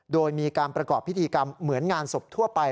โดยมีการประกอบพิธีกรรมเหมือนงานศพทั่วไป